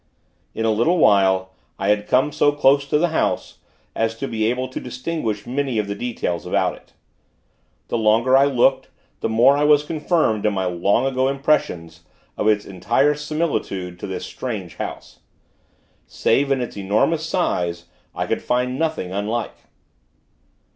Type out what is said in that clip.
In a little while, I had come so close to the House, as to be able to distinguish many of the details about it. The longer I looked, the more was I confirmed in my long ago impressions of its entire similitude to this strange house. Save in its enormous size, I could find nothing unlike.